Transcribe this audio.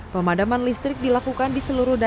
pemadaman listrik dilakukan di seluruh daerah